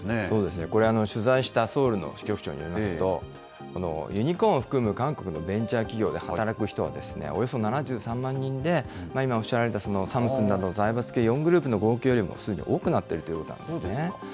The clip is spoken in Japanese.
そうですね、これ、取材したソウルの支局長によりますと、ユニコーンを含む韓国のベンチャー企業で働く人はおよそ７３万人で、今おっしゃられたサムスンなど、財閥系４グループの合計よりすでに多くなっているということなんですね。